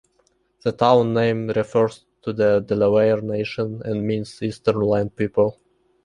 The town name refers to the Delaware Nation and means Eastern Land People.